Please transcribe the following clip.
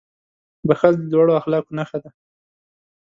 • بښل د لوړو اخلاقو نښه ده.